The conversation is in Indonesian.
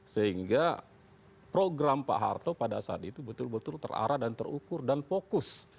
sehingga program pak harto pada saat itu betul betul terarah dan terukur dan fokus